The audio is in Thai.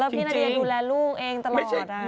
พี่นาเดียดูแลลูกเองตลอด